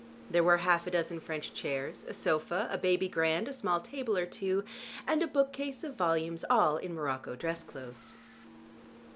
There were half a dozen French chairs, a sofa, a baby grand, a small table or two, and a book case of volumes all in morocco dress clothes.